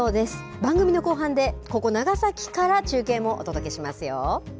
番組の後半で、ここ、長崎から中継もお届けしますよ。